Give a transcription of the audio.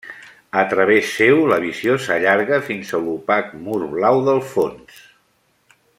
A través seu, la visió s'allarga fins a l'opac mur blau del fons.